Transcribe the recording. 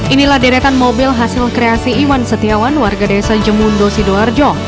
inilah deretan mobil hasil kreasi iwan setiawan warga desa jemundo sidoarjo